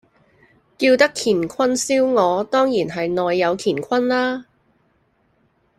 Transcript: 叫得乾坤燒鵝，當然係內有乾坤啦